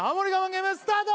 ゲームスタート